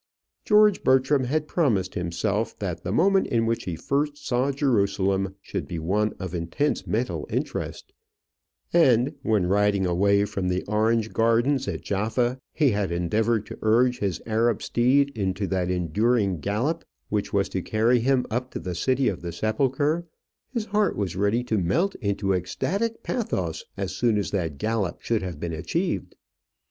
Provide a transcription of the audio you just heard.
George Bertram had promised himself that the moment in which he first saw Jerusalem should be one of intense mental interest; and when, riding away from the orange gardens at Jaffa, he had endeavoured to urge his Arab steed into that enduring gallop which was to carry him up to the city of the sepulchre, his heart was ready to melt into ecstatic pathos as soon as that gallop should have been achieved.